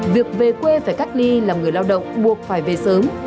việc về quê phải cách ly làm người lao động buộc phải về sớm